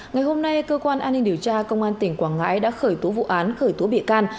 ngày hôm nay cơ quan an ninh điều tra công an tỉnh quảng ngãi đã khởi tố vụ án khởi tố bị can